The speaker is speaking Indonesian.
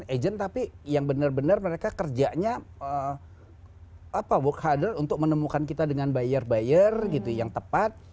agent tapi yang bener bener mereka kerjanya work harder untuk menemukan kita dengan buyer buyer gitu yang tepat